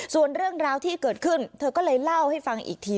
ส่วนเรื่องราวที่เกิดขึ้นเธอก็เลยเล่าให้ฟังอีกที